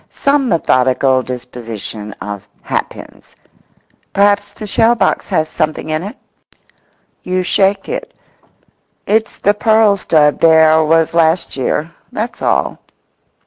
Some methodical disposition of hat pins. Perhaps the shell box has something in it? You shake it; it's the pearl stud there was last year—that's all.